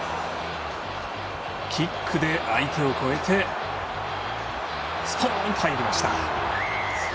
キックで相手を越えてスポーンと入りました。